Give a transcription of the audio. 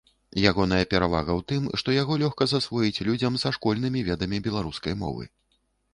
Ягоная перавага ў тым, што яго лёгка засвоіць людзям са школьнымі ведамі беларускай мовы.